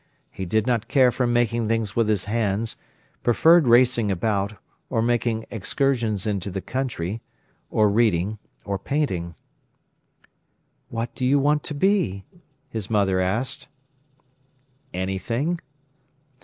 He did not care for making things with his hands, preferred racing about, or making excursions into the country, or reading, or painting. "What do you want to be?" his mother asked. "Anything."